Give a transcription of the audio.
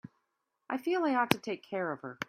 I feel I ought to take care of her.